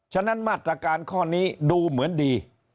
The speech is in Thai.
ฉะนั้นมาตรการข้อนี้ดูเหมือนดี